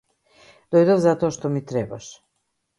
Дојдов затоа што ми требаш.